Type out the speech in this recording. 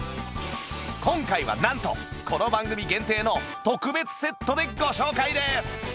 今回はなんとこの番組限定の特別セットでご紹介です